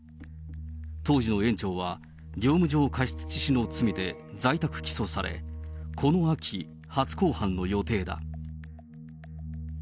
当時の園長は業務上過失致死の罪で在宅起訴され、この秋、初公判の予定だ。